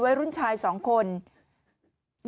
โปรดติดตามตอนต่อไป